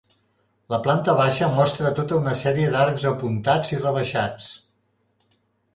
La planta baixa mostra tota una sèrie d'arcs apuntats i rebaixats.